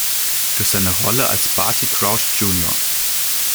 Durch seine Rolle als Barty Crouch jr.